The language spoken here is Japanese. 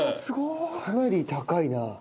かなり高いな。